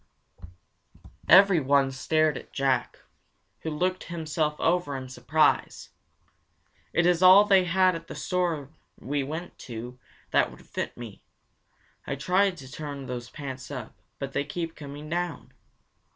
Everyone stared at Jack, who looked himself over in surprise. "It is all they had at that store we went to that would fit me. I try to turn those pants up, but they keep coming down."